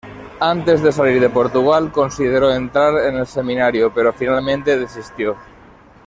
Antes de salir de Portugal, consideró entrar en el seminario pero finalmente desistió.